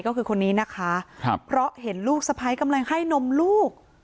ก็คือคนนี้นะคะครับเพราะเห็นลูกสะพ้ายกำลังให้นมลูก